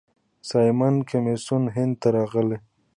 سایمن کمیسیون هند ته راغی.